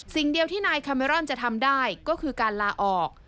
สิ่งเดียวที่นายคาเมรอนจะทำได้ก็คือการลาออก